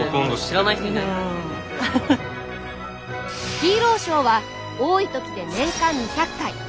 ヒーローショーは多い時で年間２００回。